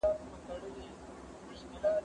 فيصله د اسمانو د عدالت ده